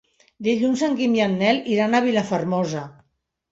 Dilluns en Guim i en Nel iran a Vilafermosa.